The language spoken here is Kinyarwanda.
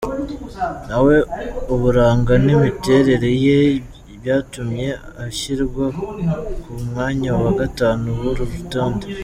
Nawe uburanga n’imiterere ye, byatumye ashyirwa ku mwanya wa gatanu w’uru rutonde.